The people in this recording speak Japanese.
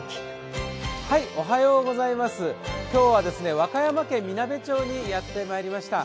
今日は和歌山県みなべ町にやってまいりました。